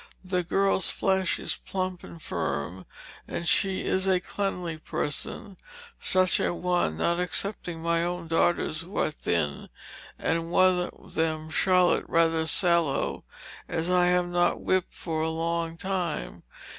The girl's flesh is plump and firm, and she is a cleanly person, such a one, not excepting my own daughters who are thin, and one of them, Charlotte, rather sallow, as I have not whipped for a long time.